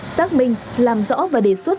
xác minh làm rõ và đề xuất